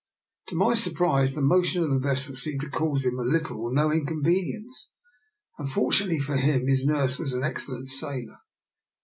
To my surprise, the motion of the vessel seemed to cause him little or no inconvenience, and, fortunately for him, his nurse was an excellent sailor.